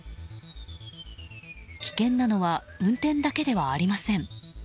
危険なのは運転だけではありません。